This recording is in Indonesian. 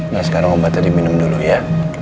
nah sekarang obatnya diminum dulu ya